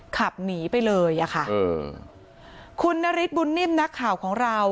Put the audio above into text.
ขับหนีไปเลยอะค่ะคุณนฤทธบุญนิ่มนักข่าวของเรา